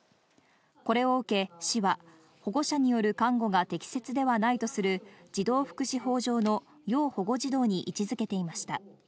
これを受け、市は保護者による監護が適切ではないとする児童福祉法上の要保護児童に位置付けていました。